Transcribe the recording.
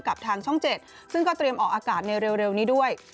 กับทางช่อง๗ซึ่งก็เตรียมออกอากาศในเร็วนี้ด้วย